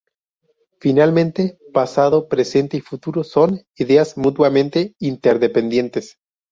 Finalmente, pasado, presente y futuro son ideas mutuamente interdependientes.